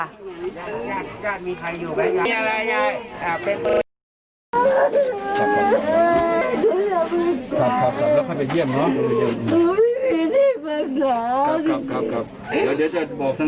เฮนเป็นอะไรก๋วยง้าะ